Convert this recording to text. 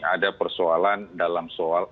ada persoalan dalam soal